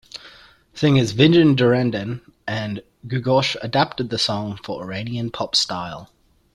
Singers Vigen Derderian and Googoosh adapted the song for Iranian pop style.